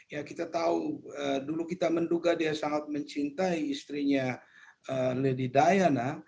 ya kita tahu dulu kita menduga dia sangat mencintai istrinya lady diana